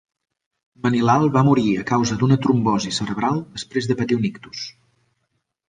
Manilal va morir a causa d'una trombosi cerebral després de patir un ictus.